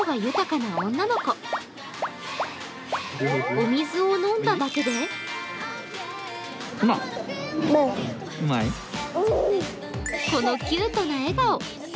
お水を飲んだだけでこのキュートな笑顔。